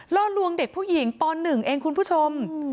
ล่อลวงเด็กผู้หญิงป๑เองคุณผู้ชม